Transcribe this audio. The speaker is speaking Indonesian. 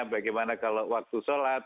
bagaimana kalau waktu sholat